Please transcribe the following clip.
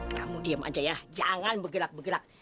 kamu diam aja ya jangan bergerak gerak